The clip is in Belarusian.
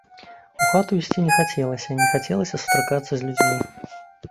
У хату ісці не хацелася, не хацелася сустракацца з людзьмі.